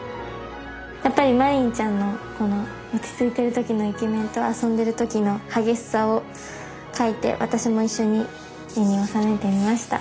やっぱりマリンちゃんの落ち着いてる時のイケメンと遊んでる時の激しさを描いて私も一緒に絵におさめてみました。